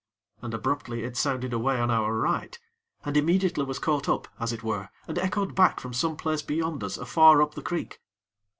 And abruptly it sounded away on our right, and immediately was caught up, as it were, and echoed back from some place beyond us afar up the creek.